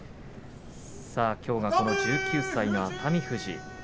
きょうは１９歳の熱海富士。